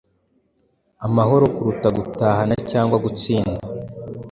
amahoro kuruta guhatana cyangwa gutsinda